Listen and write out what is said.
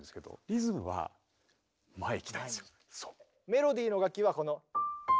メロディーの楽器はこの。